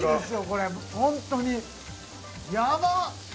これホントにヤバっ！